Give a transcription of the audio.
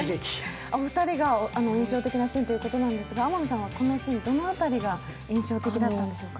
お二人が印象的なシーンということなんですがどの辺りが印象だったんでしょうか。